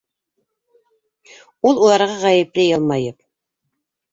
Ул уларға ғәйепле йылмайып: